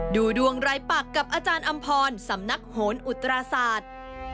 ดูดวงรายปักกับอาจารย์อำพรสำนักโหนอุตราศาสตร์